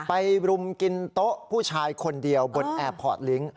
รุมกินโต๊ะผู้ชายคนเดียวบนแอร์พอร์ตลิงค์